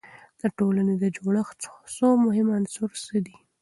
د ټولنې د جوړښت څو مهم عناصر څه دي؟